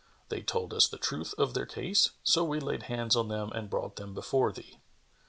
They told us the truth of their case: so we laid hands on them and brought them before thee."